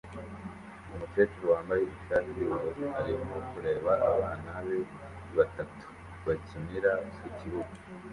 Umukecuru wambaye ishati yubururu arimo kureba abana be batatu bakinira ku kibuga